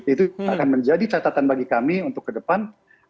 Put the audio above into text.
itu akan menjadi catatan bagi kami untuk ke depan